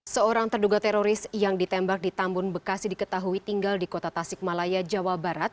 seorang terduga teroris yang ditembak di tambun bekasi diketahui tinggal di kota tasik malaya jawa barat